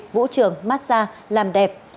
vũ trường massage làm đẹp